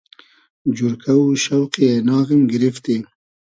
جورکۂ و شۆقی اېناغیم گیریفتی